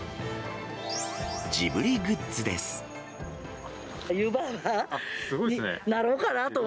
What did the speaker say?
ジブリグッズです。